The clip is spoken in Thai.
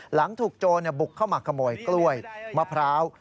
หลังถูกโจรบุกเข้ามาขโมยกล้วยมะพร้าว